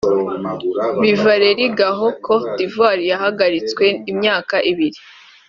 Bi Valere Gouho (Côte d’Ivoire) yahagaritswe imyaka ibiri